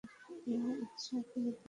আমি আছি আপনাদের সাথে।